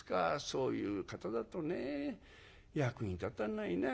そういう方だとね役に立たないな。